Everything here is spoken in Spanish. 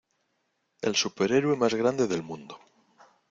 ¡ El superhéroe más grande del mundo!